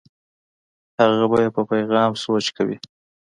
هم به یې په پیغام سوچ کوي.